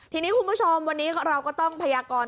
ทีนี้คุณผู้ชมวันนี้เราก็ต้องพยากร